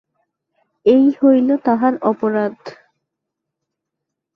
এই হইল তাহার অপরাধ।